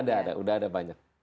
ada udah ada banyak